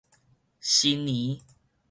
新年